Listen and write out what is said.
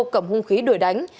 cầm hung khí đuổi đánh